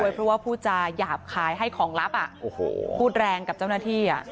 เพราะว่าพูดจาหยาบคายให้ของลับพูดแรงกับเจ้าหน้าที่